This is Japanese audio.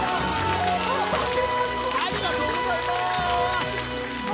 ありがとうございます！